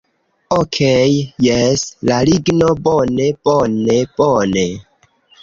Okej' jes la ligno... bone, bone, bone